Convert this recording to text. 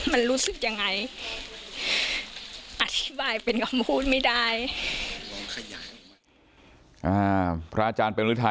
มันบอกไม่ได้อะค่ะ